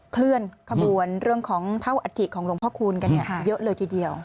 เคลื่อนขบวนเรื่องของเท่าอัฐิของหลวงพ่อคูณกันเยอะเลยทีเดียว